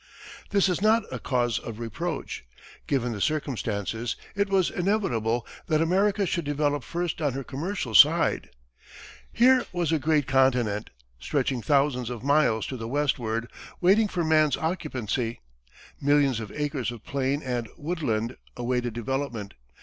This is not a cause of reproach. Given the circumstances, it was inevitable that America should develop first on her commercial side. Here was a great continent, stretching thousands of miles to the westward, waiting for man's occupancy. Millions of acres of plain and woodland awaited development.